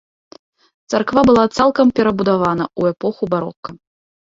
Царква была цалкам перабудавана ў эпоху барока.